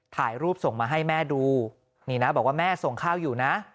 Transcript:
ถ่ายรูปส่งมาให้แม่ดู